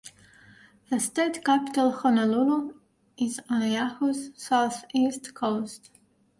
The state capital, Honolulu, is on Oahu's southeast coast.